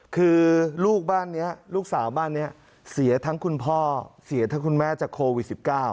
คือลูกบ้านนี้ลูกสาวบ้านนี้เสียทั้งคุณพ่อเสียทั้งคุณแม่จากโควิด๑๙